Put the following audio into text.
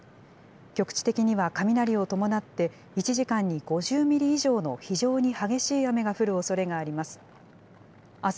局地的には雷を伴って、１時間に５０ミリ以上の非常に激しい雨が降るおそれがあります。